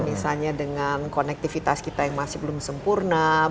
misalnya dengan konektivitas kita yang masih belum sempurna